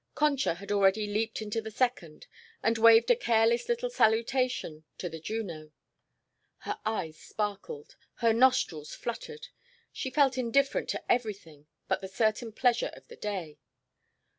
Concha had already leaped into the second and waved a careless little salutation to the Juno. Her eyes sparkled. Her nostrils fluttered. She felt indifferent to everything but the certain pleasure of the day.